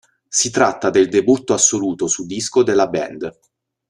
Si tratta del debutto assoluto su disco della band.